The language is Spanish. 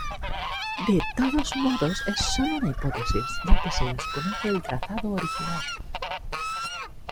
De todos modos, es solo una hipótesis ya que se desconoce el trazado original.